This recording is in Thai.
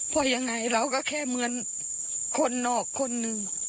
เพราะยังไงเราก็แค่เหมือนคนนอกคนหนึ่ง